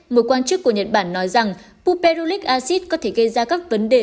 một quan chức của nhật bản nói rằng puperulic acid có thể gây ra các vấn đề